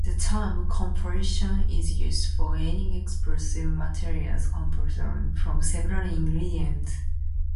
The term "composition" is used for any explosive material compounded from several ingredients.